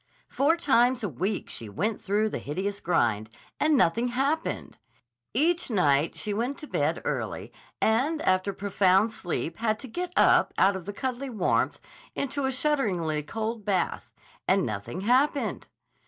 Four times a week she went through the hideous grind, and nothing happened. Each night she went to bed early and after profound sleep had to get up out of the cuddly warmth into a shudderingly cold bath—and nothing happened.